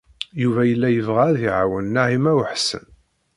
Yuba yella yebɣa ad iɛawen Naɛima u Ḥsen.